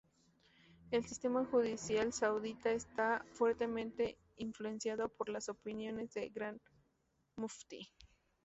El sistema judicial saudita está fuertemente influenciado por las opiniones del Gran Muftí.